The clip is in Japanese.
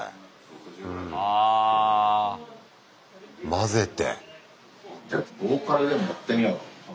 混ぜて。